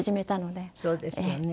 そうですよね。